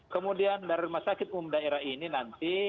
kemudian dari rumah sakit umum daerah ini nanti